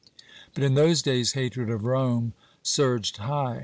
But in those days hatred of Rome surged high.